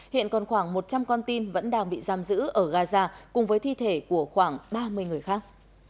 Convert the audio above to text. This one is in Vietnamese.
hiện còn khoảng một trăm linh con tin vẫn đang bị giam giữ ở gaza cùng với thi thể của khoảng ba mươi người khác